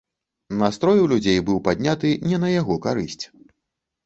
Настрой у людзей быў падняты не на яго карысць.